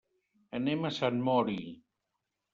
Anem a Sant Mori.